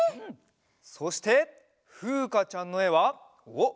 そしてふうかちゃんのえはおっ！